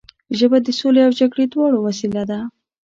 ژبه د سولې او جګړې دواړو وسیله ده